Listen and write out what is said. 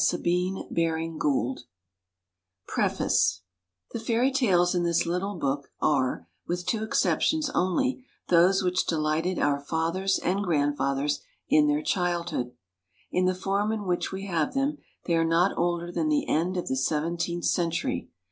STRAND: MDCCCXCV 333k PREFACE IHE Fairy Tales in this little book are, with two exceptions only, those which delighted our fathers and grand | fathers in their chiianopa. In the form in which we~have them they are not older than the end of the seven teenth century.